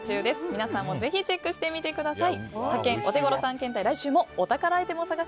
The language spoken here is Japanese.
皆さんもぜひチェックしてみてください。